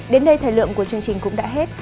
đến đây thời lượng của chương trình cũng đã hết